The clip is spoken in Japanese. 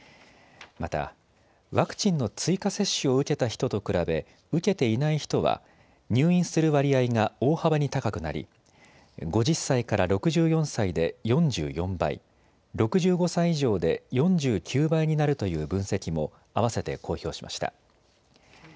また、ワクチンの追加接種を受けた人と比べ受けていない人は入院する割合が大幅に高くなり５０歳から６４歳で４４倍、６５歳以上で４９倍になるという分析もあわせて公表しました。